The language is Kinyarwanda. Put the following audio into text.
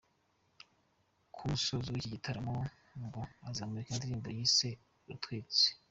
Ku musozo w’iki gitaramo, ngo azamurika indirimbo yise ‘Rutwitsi’.